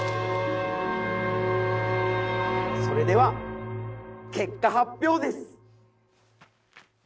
それでは結果発表です。